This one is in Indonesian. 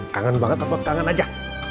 kangen banget apot kangen aja